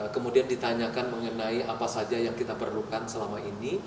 kemudian ditanyakan mengenai apa saja yang kita perlukan selama ini